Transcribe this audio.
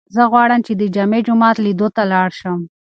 زه غواړم چې د جامع جومات لیدو ته لاړ شم.